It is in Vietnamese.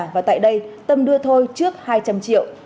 và tại đây tâm đưa thôi trước hai trăm linh triệu